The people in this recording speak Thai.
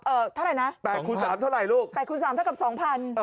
เท่าไหร่นะแปดคูณสามเท่าไหร่ลูกแปดคูณสามเท่ากับสองพันเออ